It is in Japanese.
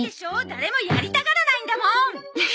誰もやりたがらないんだもん！